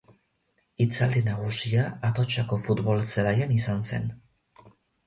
Hitzaldi nagusia Atotxako futbol zelaian izan zen.